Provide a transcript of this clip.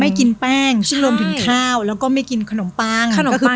ไม่กินแป้งซึ่งรวมถึงข้าวแล้วก็ไม่กินขนมปังขนมปัง